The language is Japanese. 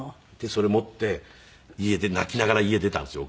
それ持って泣きながら家出たんですよ